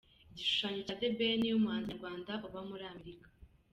Igishushanyo cya The Ben, umuhanzi nyarwanda uba muri Amerika.